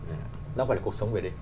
nó không phải là cuộc sống về đêm